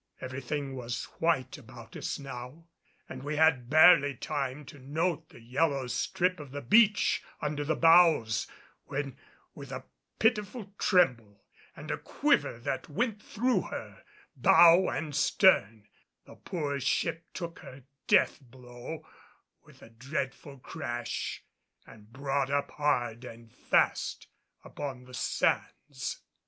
Everything was white about us now, and we had barely time to note the yellow strip of the beach under the bows, when with pitiful tremble and a quiver that went through her, bow and stern, the poor ship took her death blow with a dreadful crash and brought up hard and fast upon the sands.